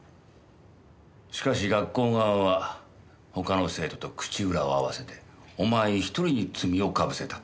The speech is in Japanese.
しかし学校側は他の生徒と口裏を合わせてお前一人に罪を被せた。